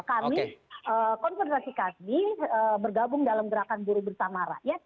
konfesrasi kami bergabung dalam gerakan buru bersamara